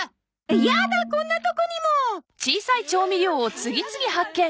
やだこんなとこにも！